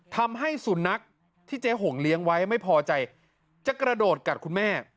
ทำให้สุนัขที่เจ๊หงเลี้ยงไว้ไม่พอใจจะกระโดดกัดคุณแม่